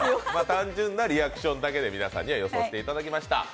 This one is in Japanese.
単純なリアクションだけで皆さんには予想してもらいました。